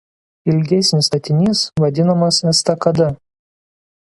Ilgesnis statinys vadinamas estakada.